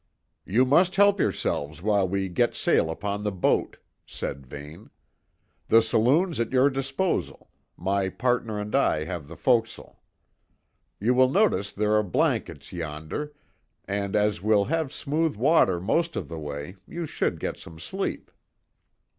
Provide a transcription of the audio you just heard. "You must help yourselves while we get sail upon the boat," said Vane. "The saloon's at your disposal, my partner and I have the fo'c'sle. You will notice there are blankets yonder, and as we'll have smooth water most of the way you should get some sleep."